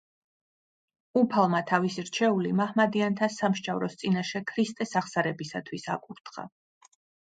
უფალმა თავისი რჩეული მაჰმადიანთა სამსჯავროს წინაშე ქრისტეს აღსარებისათვის აკურთხა.